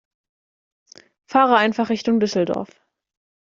Fahre einfach Richtung Düsseldorf